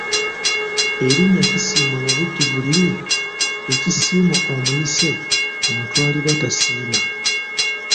Erinnya Kisiimwa mubujjuvu liri Ekisiimwa omuyise omutwalibwa tasiima.